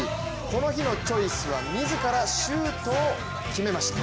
この日のチョイスは自らシュートを決めました。